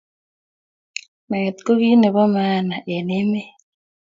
Naet ko kit po maana eng emet